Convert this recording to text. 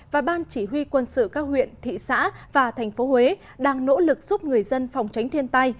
và ban chỉ huy quân sự các huyện thị xã và thành phố huế đang nỗ lực giúp người dân phòng tránh thiên tai